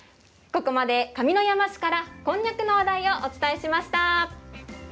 ここまで上山市からこんにゃくの話題をお伝えしました。